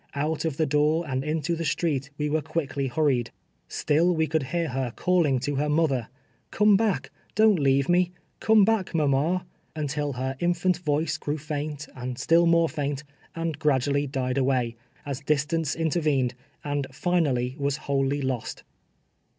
Out of the door and into the street we were cpiickly hurried. Still we could hear 83 TVrFLVE TEAKS A SLAVE. her callini^ to lier motlicr, " Come brick — don't leave me — coine hack, mama," until her infant voice grew faint and still mure faint, and gradually died a^vay, as distance intervened, and linally was wholly lost.